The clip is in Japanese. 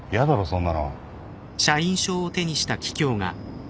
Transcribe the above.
そんなの。